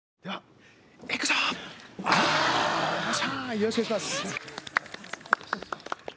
よろしくお願いします。